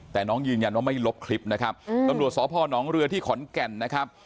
แต่น้องยืนยันว่าไม่ลบคลิปนะครับตำรวจสพนเรือที่ขอนแก่นนะครับ